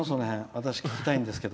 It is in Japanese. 私、聞きたいんだけど。